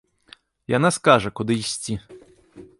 Яна скажа, куды ісці.